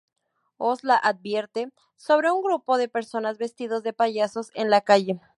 Oz la advierte sobre un grupo de personas vestidos de payasos en la calle.